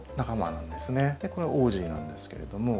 これオージーなんですけれども。